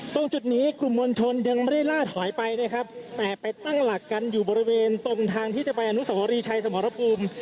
ตรงจุดนี้กลุ่มมวลชนยังไม่ได้ล่าถอยไปนะครับแต่ไปตั้งหลักกันอยู่บริเวณตรงทางที่จะไปอนุสวรีชัยสมรภูมิ